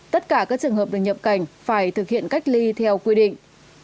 tất cả các trường hợp được nhập cảnh phải thực hiện cách ly theo quy định